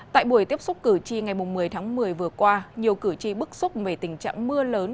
tại buổi tiếp xúc cử tri ngày một mươi tháng một mươi vừa qua nhiều cử tri bức xúc về tình trạng mưa lớn